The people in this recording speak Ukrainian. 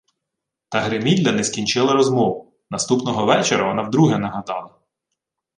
Та Гримільда не скінчила розмову. Наступного вечора вона вдруге нагадала: